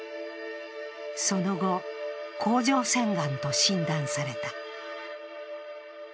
その後、甲状腺がんと診断された。